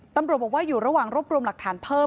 ตำรวจบอกว่าอยู่ระหว่างรวบรวมหลักฐานเพิ่ม